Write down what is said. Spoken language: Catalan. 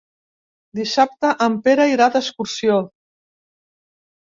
Dissabte en Pere irà d'excursió.